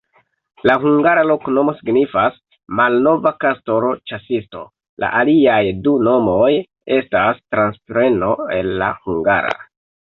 La hungara loknomo signifas: malnova-kastoro-ĉasisto, la aliaj du nomoj estas transpreno el la hungara.